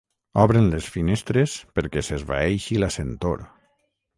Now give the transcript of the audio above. Obren les finestres perquè s'esvaeixi la sentor.